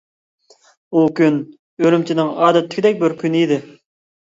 ئۇ كۈن ئۈرۈمچىنىڭ ئادەتتىكىدەك بىر كۈنى ئىدى.